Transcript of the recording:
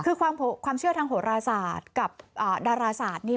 คือความเชื่อทางโหราศาสตร์กับดาราศาสตร์นี่